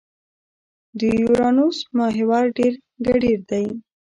د یورانوس محور ډېر کډېر دی.